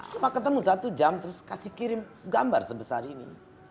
cuma ketemu satu jam terus kasih kirim gambar sebesar ini